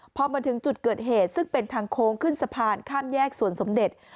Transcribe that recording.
พอมาถึงจุดเกิดเหตุซึ่งเป็นทางโค้งขึ้นสะพานข้ามแยกส่วนสมเด็จ